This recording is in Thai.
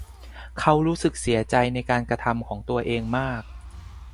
เขารู้สึกเสียใจในการกระทำของตัวเองมาก